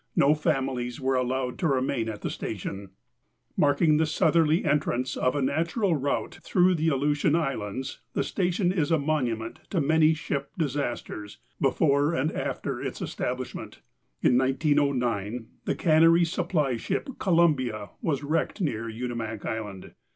No families were allowed to remain at the station. (USCG 1957: 3) Marking the southerly entrance of a natural route through the Aleutian Islands, the station is a monument to many ship disasters, before and after its establishment. In 1909, the cannery supply ship Columbia was wrecked near Unimak Island.